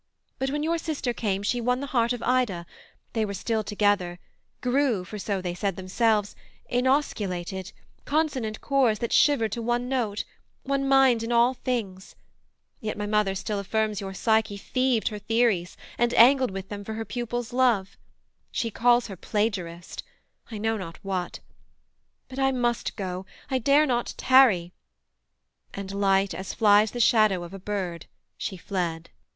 But when your sister came she won the heart Of Ida: they were still together, grew (For so they said themselves) inosculated; Consonant chords that shiver to one note; One mind in all things: yet my mother still Affirms your Psyche thieved her theories, And angled with them for her pupil's love: She calls her plagiarist; I know not what: But I must go: I dare not tarry,' and light, As flies the shadow of a bird, she fled.